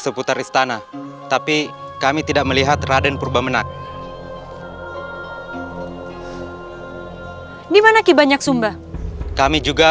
seputar istana tapi kami tidak melihat raden purba menak dimana ki banyak sumba kami juga